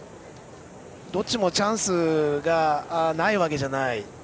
どっちもチャンスがないわけじゃない。